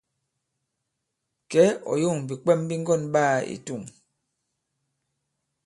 Kɛ̌, ɔ̀ yȏŋ bìkwɛm bi ŋgɔ̑n ɓaā i tȗŋ.